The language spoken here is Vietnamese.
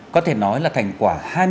có thể nói là thành quả